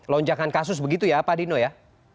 lonjakan kasus begitu ya pak dino ya